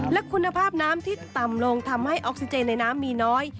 และคุณภาพน้ำที่ต่ำลงทำให้ออกซิเจนในน้ำมีน้อย